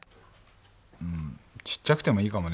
うんちっちゃくてもいいかもね